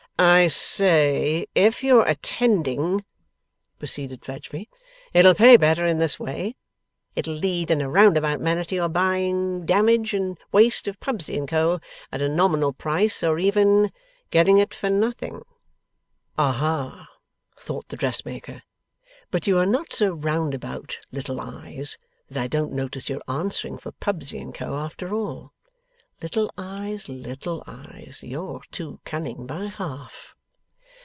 ') 'I say, if you're attending,' proceeded Fledgeby, 'it'll pay better in this way. It'll lead in a roundabout manner to your buying damage and waste of Pubsey and Co. at a nominal price, or even getting it for nothing.' 'Aha!' thought the dressmaker. 'But you are not so roundabout, Little Eyes, that I don't notice your answering for Pubsey and Co. after all! Little Eyes, Little Eyes, you're too cunning by half.